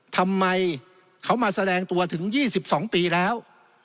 ทำไมเขามาแสดงตัวถึง๒๒ปีแล้ว